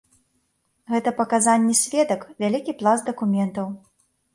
Гэта паказанні сведак, вялікі пласт дакументаў.